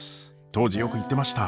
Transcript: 当時よく言ってました。